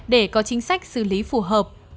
để có chính sách xử lý phù hợp